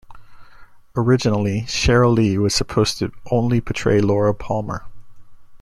Originally, Sheryl Lee was supposed to only portray Laura Palmer.